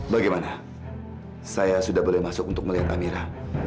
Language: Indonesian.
bagaimana saya sudah boleh masuk untuk melihat amira